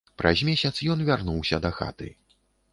Праз месяц ён вярнуўся дахаты.